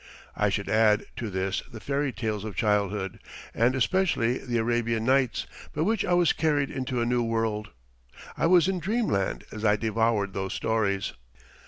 I should add to this the fairy tales of childhood, and especially the "Arabian Nights," by which I was carried into a new world. I was in dreamland as I devoured those stories.